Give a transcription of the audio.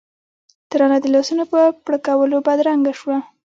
ترانه د لاسونو په پړکولو بدرګه شوه.